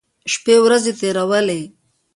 شپې ورځې تېرولې.